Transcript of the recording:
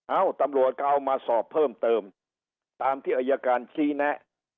เอ้าตำรวจก็เอามาสอบเพิ่มเติมตามที่อายการชี้แนะ